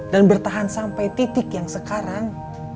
dan bertahan sampai titik yang sekarang